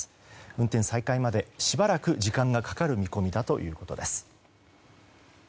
運転再開まで、しばらく時間がかかる見込みだということです。